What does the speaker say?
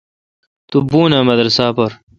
تو بھوں اں مدرسہ پر۔